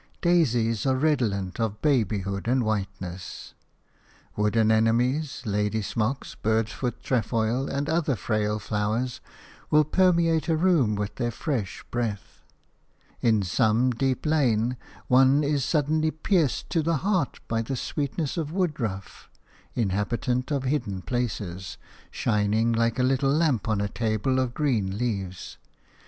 Daisies are redolent of babyhood and whiteness. Wood anemones, lady's smock, bird's foot trefoil and other frail flowers will permeate a room with their fresh breath. In some deep lane one is suddenly pierced to the heart by the sweetness of woodruff, inhabitant of hidden places, shining like a little lamp on a table of green leaves.